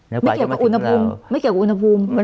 ไม่เกี่ยวกับอุณบุมไม่เกี่ยวกับอุณบุม